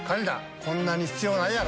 こんなに必要ないやろ！